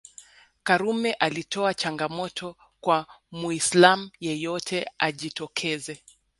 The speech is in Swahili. Karume alitoa changamoto kwa Muislam yeyote ajitokeze